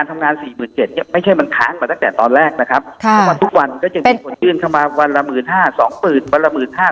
ไม่ใช่มันค้างมาตั้งแต่ตอนแรกนะครับแม้ว่าทุกวันก็จะยืนเข้ามา๑๐๐๐๐๐๐๒๐๐๐บาท๑๐๐๐๐๐๐๒๐๐๐บาท